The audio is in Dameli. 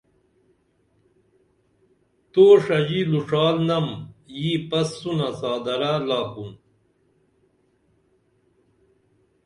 تو ݜژی لُݜال نم یی پس سونہ څادرہ لاکُن